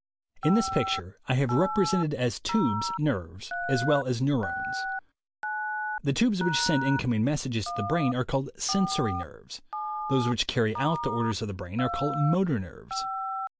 In this picture I have represented as tubes nerves as well as neu rones. The tubes which send incoming messages to the brain are called "sensory" nerves; those which carry out the orders of the brain are called "motor" nerves.